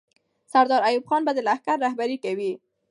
سردار ایوب خان به لښکر رهبري کوي.